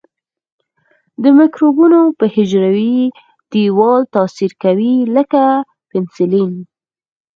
د مکروبونو په حجروي دیوال تاثیر کوي لکه پنسلین.